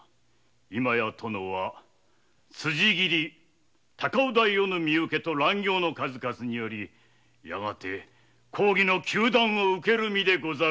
今や殿は辻斬り高尾太夫の身請けと乱業の数々によりやがて公儀の糾弾を受ける身でござる。